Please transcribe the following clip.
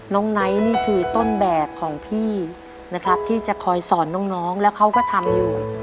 ไนท์นี่คือต้นแบบของพี่นะครับที่จะคอยสอนน้องแล้วเขาก็ทำอยู่